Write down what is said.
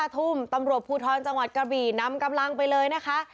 ๕ทุ่มตำรวจภูทรจังหวัดกระบี่นำกำลังไปเลยนะคะ